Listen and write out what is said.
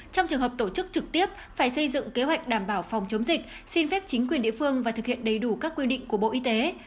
trong trường hợp tổ chức trực tiếp phải xây dựng kế hoạch đảm bảo phòng chống dịch xin phép chính quyền địa phương và thực hiện đầy đủ các quy định của bộ y tế